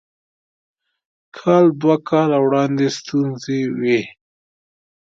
کال دوه کاله وړاندې ستونزې وې.